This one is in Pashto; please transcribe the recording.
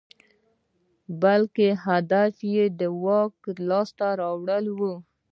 بلکې هدف یې د واک لاسته راوړل وو.